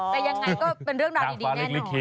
แต่ยังไงก็เป็นเรื่องราวดีแน่นอน